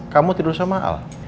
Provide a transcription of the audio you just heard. kamu tidur sama al